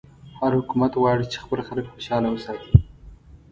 هر حکومت غواړي چې خپل خلک خوشحاله وساتي.